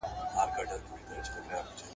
د هغه قلم خورا تاند ښکاري